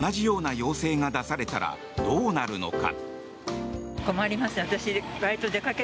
では東京で同じような要請が出されたらどうなるのか。